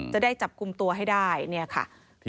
จะได้จับกลุ่มตัวให้ได้เนี่ยค่ะ